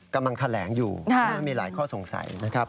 กำลังแถลงอยู่มีหลายข้อสงสัยนะครับ